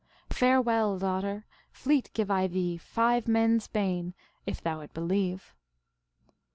" Farewell, daughter ! Fleet give I thee, Five men s bane, If thou it believe."